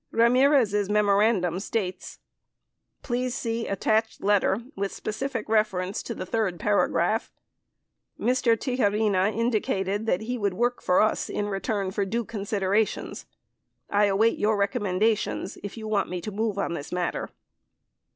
Ramirez' memorandum states : Please see attached letter with specific reference to the third paragraph. Mr. Tijerina indicated that he would work for us in return for due considerations. I await your recommendations, if you want me to move on this matter.